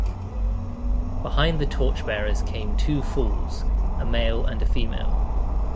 Behind the torchbearers came two fools, a male and a female.